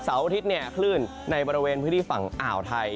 เสาร์อาทิตย์ขึ้นในบริเวณพื้นที่ฝั่งอ่าวไทย